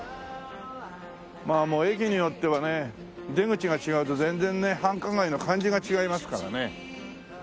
まあもう駅によってはね出口が違うと全然ね繁華街の感じが違いますからね。